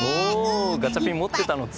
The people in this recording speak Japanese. ガチャピン、月持ってたの。